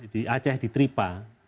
di aceh di tripa